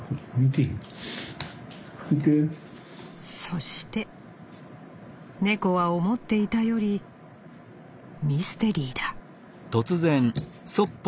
「そして猫は思っていたよりミステリーだ」。